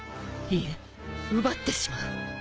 いえ奪ってしまう。